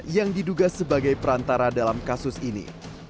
yang diduga sebagai perantara dalam kasus ini